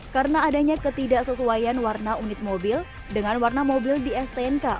karena adanya ketidaksesuaian warna unit mobil dengan warna mobil di stnk